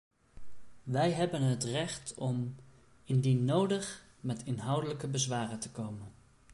Wij hebben het recht om, indien nodig, met inhoudelijke bezwaren te komen.